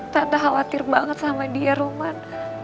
tante khawatir banget sama dia roman